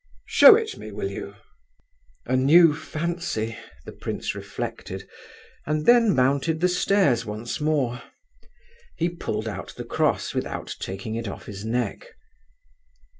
"Show it me, will you?" A new fancy! The prince reflected, and then mounted the stairs once more. He pulled out the cross without taking it off his neck.